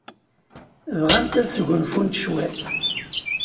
Bɣant ad sgunfunt cwiṭ.